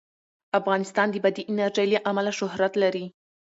افغانستان د بادي انرژي له امله شهرت لري.